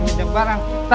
tiga puluh tiga tahun clock